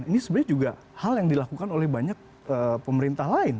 ini sebenarnya juga hal yang dilakukan oleh banyak pemerintah lain